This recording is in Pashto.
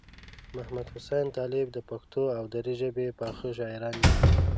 محمدحسین طالب د پښتو او دري ژبې پاخه شاعران دي.